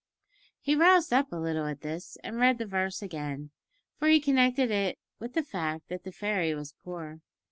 He roused up a little at this, and read the verse again, for he connected it with the fact that the fairy was poor.